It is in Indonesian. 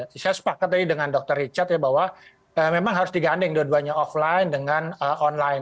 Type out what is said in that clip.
saya sepakat tadi dengan dr richard ya bahwa memang harus digandeng dua duanya offline dengan online